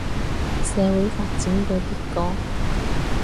社會發展嘅結果